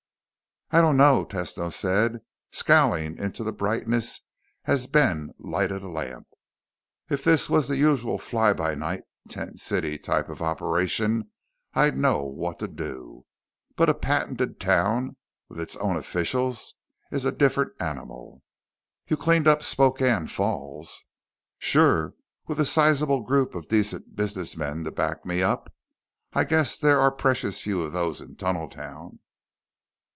"I don't know," Tesno said, scowling into the brightness as Ben lighted a lamp. "If this was the usual fly by night, tent city type of operation, I'd know what to do. But a patented town with its own officials is a different animal." "You cleaned up Spokane Falls." "Sure, with a sizable group of decent businessmen to back me up. I'd guess there are precious few of those in Tunneltown."